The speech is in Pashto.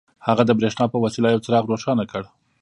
هغه د برېښنا په وسيله يو څراغ روښانه کړ.